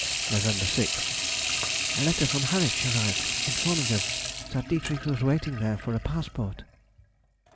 Nov. 6th.—A letter from Harwich arrived informing us that D. was waiting there for a passport.